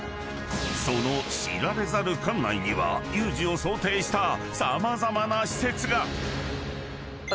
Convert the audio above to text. ［その知られざる艦内には有事を想定した様々な施設が］